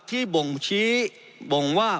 บ่งชี้บ่งว่า